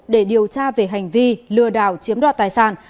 để điều tra về hành vi lừa đảo chiếm đoạt tài sản